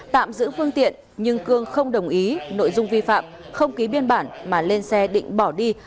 tạm giữ phương tiện nhưng cương không đồng ý nội dung vi phạm không ký biên bản mà lên xe định bỏ đi